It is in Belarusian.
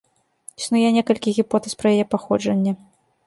Існуе некалькі гіпотэз пра яе паходжанне.